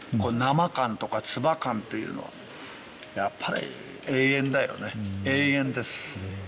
生感とか唾感というのはやっぱり永遠だよね永遠です